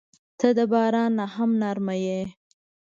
• ته د باران نه هم نرمه یې.